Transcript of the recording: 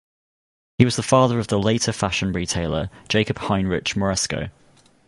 He was the father of the later fashion retailer Jacob Heinrich Moresco.